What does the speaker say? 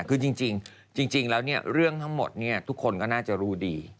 คือจริงแล้วเรื่องทั้งหมดทุกคนก็น่าจะรู้ดี